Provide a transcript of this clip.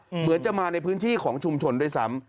เหมือนจะมาในพื้นที่ของชุมชนด้วยซ้ำ